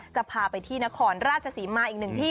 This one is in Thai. จะพาไปที่นครราชศรีมาอีกหนึ่งที่